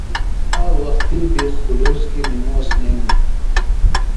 آ وختیۡ بیۡ خُلوص کیۡ نِموس نئینیۡ۔